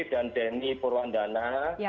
dan denny purwandana